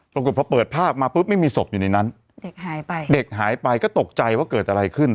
ปรากฏพอเปิดภาพมาปุ๊บไม่มีศพอยู่ในนั้นเด็กหายไปเด็กหายไปก็ตกใจว่าเกิดอะไรขึ้น